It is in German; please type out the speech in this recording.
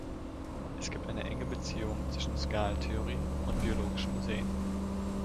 Es gibt eine enge Beziehung zwischen Skalentheorie und biologischem Sehen.